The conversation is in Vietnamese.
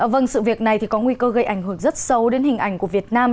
vâng sự việc này thì có nguy cơ gây ảnh hưởng rất sâu đến hình ảnh của việt nam